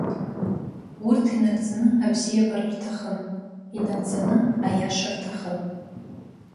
Урҭ инагӡаны абзиабара рҭахын, инагӡаны аиаша рҭахын.